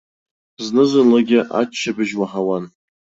Зны-зынлагьы аччабжь уаҳауан.